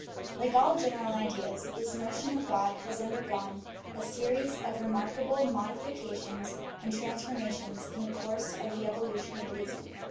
Like all general ideas, this notion of God has undergone a series of remarkable modifications and transformations in the course of the evolution of rea son.